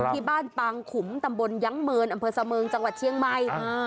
ที่บ้านปางขุมตำบลยังเมินอำเภอเสมองจังหวัดเที่ยงใหม่